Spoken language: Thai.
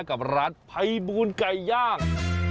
กับร้านไพบูนไกยย่าง